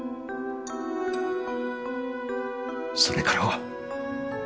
それからは。